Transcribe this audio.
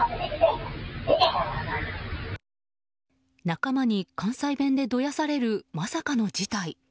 仲間に関西弁でどやされるまさかの事態。